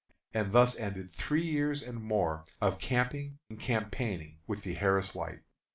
And thus ended three years and more of camping and campaigning with the Harris Light.